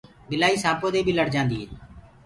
ٻِلآئي سآنپو دي بي لڙ جآندي هي۔